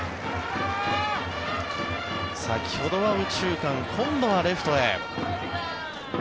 先ほどは右中間今度はレフトへ。